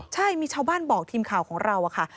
ใช่มีชาวบ้านบอกทีมข่าวของเราอะค่ะ